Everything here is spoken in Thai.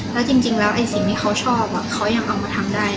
แล้วจริงแล้วไอ้สิ่งที่เขาชอบเขายังเอามาทำได้